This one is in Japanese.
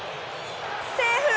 セーフ！